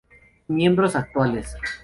Miembros Actuales